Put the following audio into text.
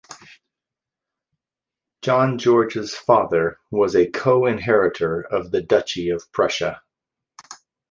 John George's father was a co-inheritor of the Duchy of Prussia.